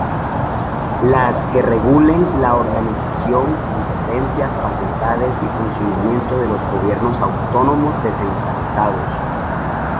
Las que regulen la organización, competencias, facultades y funcionamiento de los gobiernos autónomos descentralizados.